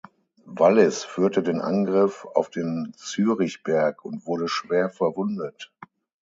Wallis führte den Angriff auf den Zürichberg und wurde schwer verwundet.